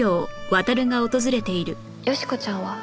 良子ちゃんは？